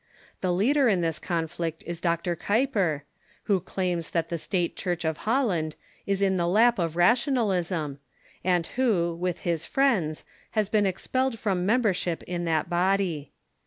The leader in this conflict is Dr. Kuyper, who claims that the State Church of Holland is in the lap of Rationalism, and who, with his friends, has been expelled from membership in that body.